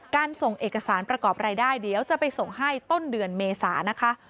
ส่งเอกสารประกอบรายได้เดี๋ยวจะไปส่งให้ต้นเดือนเมษานะคะ